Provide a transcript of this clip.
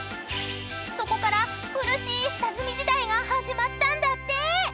［そこから苦しい下積み時代が始まったんだって］